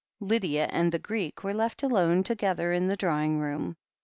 Lydia and the Greek were left alone together in the drawing room.